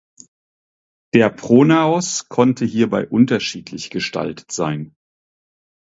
Der Pronaos konnte hierbei unterschiedlich gestaltet sein.